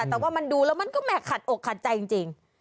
แต่ว่ามันดูแล้วมันก็แห่ขัดอกขัดใจจริง